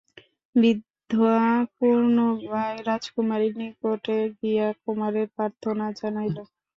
বৃদ্ধা পুনর্বায় রাজকুমারীর নিকটে গিয়া কুমারের প্রার্থনা জানাইল।